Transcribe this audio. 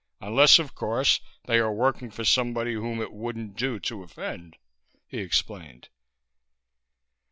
Unless, of course, they are working for somebody whom it wouldn't do to offend," he explained.